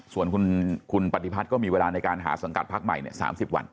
ส่วนคุณปฏิพัฒน์ก็มีเวลาในการหาสังกัดพักใหม่๓๐วัน